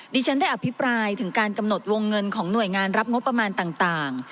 ดิฉันได้อภิปรายถึงการกำหนดวงเงินของหน่วยงานรับงบประมาณต่าง